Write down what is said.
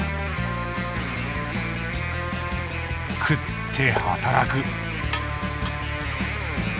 食って働く